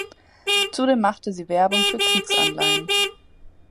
Zudem machte sie Werbung für Kriegsanleihen.